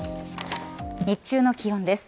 日中の気温です。